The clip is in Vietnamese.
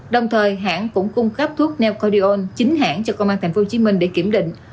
đồng thời hãng cũng cung cấp thuốc neodion chính hãng cho công an tp hcm để kiểm định